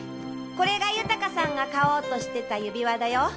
これが豊さんが買おうとしてた指輪だよ。